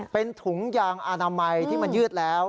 เป็นถุงยางอนามัยที่มันยืดแล้ว